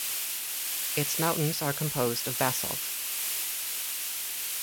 Its mountains are composed of basalt.